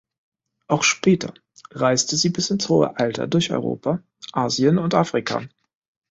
Auch später reiste sie bis ins hohe Alter durch Europa, Asien und Afrika.